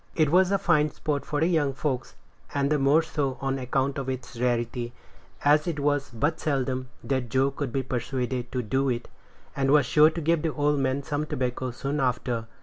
It was fine sport for the young folks, and the more so on account of its rarity, as it was but seldom that Joe could be persuaded to do it, and was sure to give the old man some tobacco soon after.